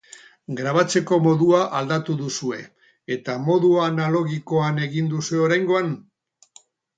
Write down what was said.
Grabatzeko modua aldatu duzue, eta modu analogikoan egin duzue oraingoan?